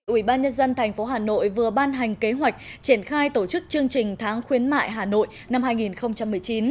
ủy ban nhân dân tp hà nội vừa ban hành kế hoạch triển khai tổ chức chương trình tháng khuyến mại hà nội năm hai nghìn một mươi chín